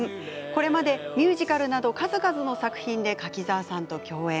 これまでミュージカルなど数々の作品で柿澤さんと共演。